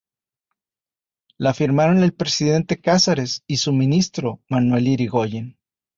La firmaron el presidente Cáceres y su ministro Manuel Irigoyen.